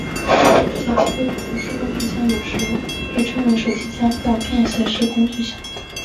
小型的便携式工具箱有时被称为手提箱或便携式工具箱。